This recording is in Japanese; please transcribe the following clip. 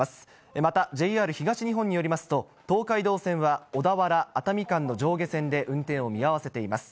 またＪＲ東日本によりますと、東海道線は、小田原・熱海間の上下線で運転を見合わせています。